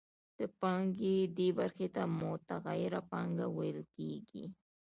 د پانګې دې برخې ته متغیره پانګه ویل کېږي